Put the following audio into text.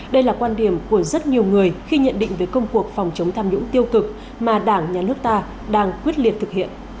đây là quan điểm của rất nhiều người khi nhận định về công cuộc phòng chống tham nhũng tiêu cực mà đảng nhà nước ta đang quyết liệt thực hiện